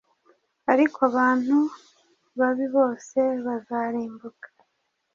ariko abantu babi bose bazarimbuka